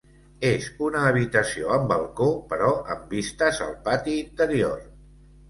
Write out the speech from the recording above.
És una habitació amb balcó però amb vistes al pati interior.